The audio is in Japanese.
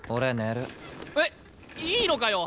えっいいのかよ！？